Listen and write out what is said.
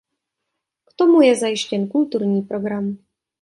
K tomu je zajištěn kulturní program.